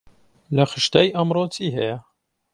لە خشتەی ئەمڕۆ چی هەیە؟